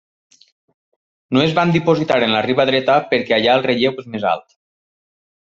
No es van dipositar en la riba dreta perquè allà el relleu és més alt.